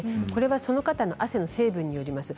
その方の汗の成分によります。